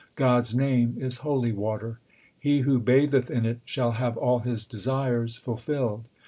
God s name is holy water ; He who batheth in it shall have all his desires fulfilled.